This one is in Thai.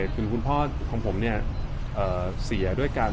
แต่คุณพ่อของผมเนี๊ยะเอ่อเสียด้วยการ